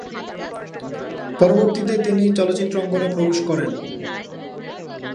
পরবর্তীতে তিনি চলচ্চিত্র অঙ্গনে প্রবেশ করেন।